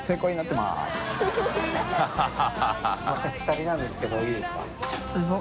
２人なんですけどいいですか？